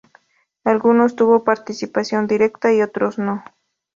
Algunos tuvo participación directa y otros no.